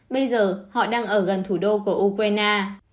bây giờ họ đang ở gần thủ đô của ukraine